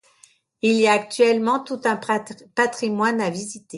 Il y a là actuellement tout un patrimoine à visiter.